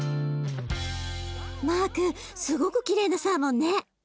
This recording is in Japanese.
マークすごくきれいなサーモンね。